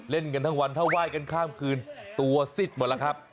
เล่นกันทั้งวันถ้าไหว้กันข้ามคืนตัวซิดหมดแล้วครับ